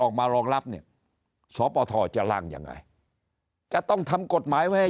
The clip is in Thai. รองรับเนี่ยสปทจะล่างยังไงจะต้องทำกฎหมายไว้ให้